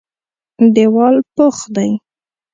دېوال پخ دی.